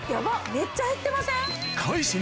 めっちゃ減ってません？